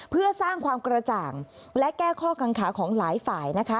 เพื่อสร้างการการการของการแก้ข้อกังขาของหลายฝ่าย